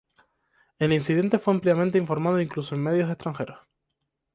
El incidente fue ampliamente informado incluso en medios extranjeros.